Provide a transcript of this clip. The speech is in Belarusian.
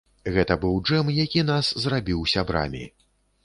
Гэта быў джэм, які нас зрабіў сябрамі.